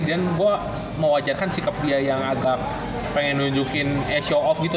dan gue mewajarkan sikap dia yang agak pengen nunjukin eh show off gitu